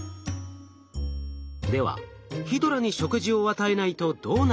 ではヒドラに食事を与えないとどうなるのか？